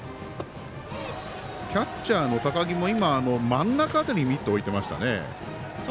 キャッチャーの高木も今、真ん中辺りにミットを置いていましたね。